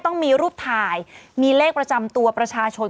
ต้องมีรูปถ่ายมีเลขประจำตัวประชาชน